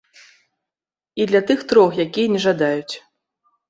І для тых трох, якія не жадаюць.